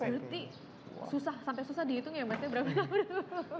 berarti susah sampai susah dihitung ya masnya berapa lama dong